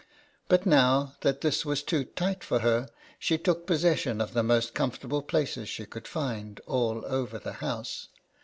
But now that this was too tight for her, she took possession of the most comfortable places she could find, all over the house.